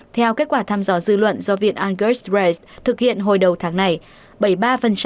theo kết quả thăm dò dư luận do viện angers reyes thực hiện hồi đầu tháng này